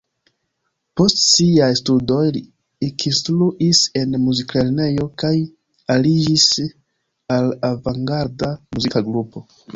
Post siaj studoj li ekinstruis en muziklernejo kaj aliĝis al avangarda muzika grupo.